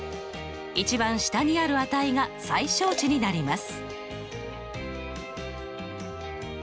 一番下にある値が最小値になります。